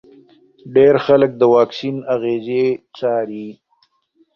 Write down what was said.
ډېر خلک د واکسین اغېزې څاري.